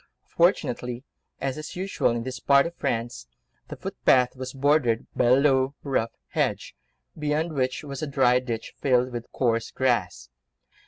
Fortunately—as is usual in this part of France—the footpath was bordered by a low, rough hedge, beyond which was a dry ditch, filled with coarse grass.